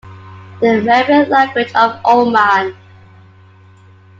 "The Mehri Language of Oman".